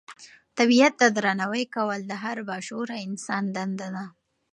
طبیعت ته درناوی کول د هر با شعوره انسان دنده ده.